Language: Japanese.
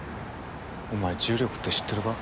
お前重力って知ってるか？